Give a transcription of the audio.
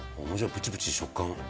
プチプチ食感。